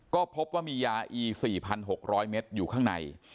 ก็พบว่ามียาอี๔๖๐๐เมตรอยู่ข้างใน